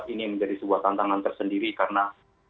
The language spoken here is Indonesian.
ini menjadi sebuah tantangan tersendiri karena